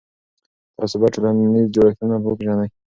تاسې باید ټولنیز جوړښتونه وپېژنئ.